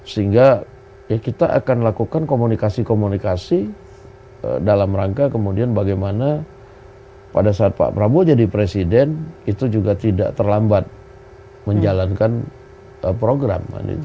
sehingga ya kita akan lakukan komunikasi komunikasi dalam rangka kemudian bagaimana pada saat pak prabowo jadi presiden itu juga tidak terlambat menjalankan program